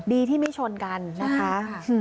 ดีที่ไม่ชนกันนะคะ